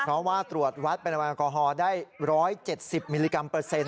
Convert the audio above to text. เพราะว่าตรวจวัดปริมาณแอลกอฮอล์ได้๑๗๐มิลลิกรัมเปอร์เซ็นต